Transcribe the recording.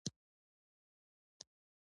دا بلاوې لرې کړه